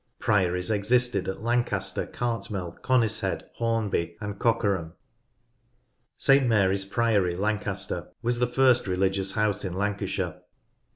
Priories existed at Lancaster, Cartmel, Conishead, Hornby, and Cockerham. St Mary's Priory, Lancaster, was the first religious house in Lancashire.